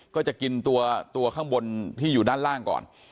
ก็จะกินตัวข้างบนที่อยู่ด้านล่างก่อน